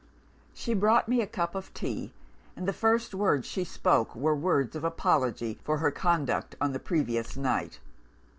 "She brought me a cup of tea; and the first words she spoke were words of apology for her conduct on the previous night.